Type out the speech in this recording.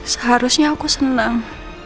seharusnya aku senang